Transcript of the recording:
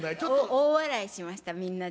大笑いしました、みんなで。